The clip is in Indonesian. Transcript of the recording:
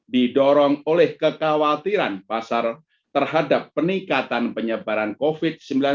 didorong oleh kekhawatiran pasar terhadap peningkatan penyebaran covid sembilan belas